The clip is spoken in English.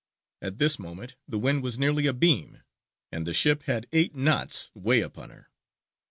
At this moment the wind was nearly abeam, and the ship had eight knots way upon her.